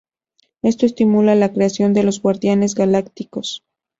Esto estimula la creación de los Guardianes Galácticos.